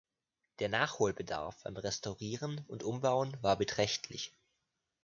Der Nachholbedarf beim Restaurieren und Umbauen war beträchtlich.